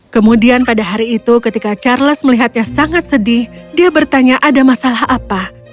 kemudian pada hari itu ketika charles melihatnya sangat sedih dia bertanya ada masalah apa